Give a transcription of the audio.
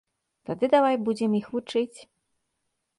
Тады давай будзем іх вучыць!